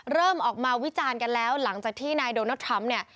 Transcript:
เริ่มออกมาวิจารณ์กันแล้วหลังจากที่นายโดนัลดทรัมป์เนี่ย